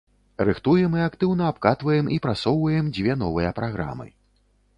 Рыхтуем і актыўна абкатваем і прасоўваем дзве новыя праграмы.